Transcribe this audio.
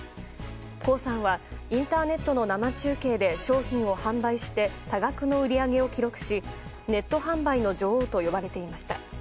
コウさんはインターネットの生中継で商品を販売し多額の売り上げを記録しネット販売の女王と呼ばれていました。